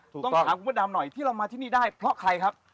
ต้องถามคุณพระดำหน่อยที่เรามาที่นี่ได้เพราะใครครับ